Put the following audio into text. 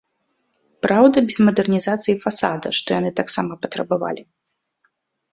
Праўда, без мадэрнізацыі фасада, што яны таксама патрабавалі.